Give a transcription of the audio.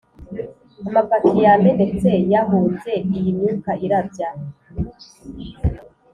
amapaki yamenetse yahunze iyi myuka irabya,